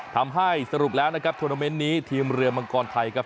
ทำให้สรุปแล้วนะครับทวนาเมนต์นี้ทีมเรือมังกรไทยครับ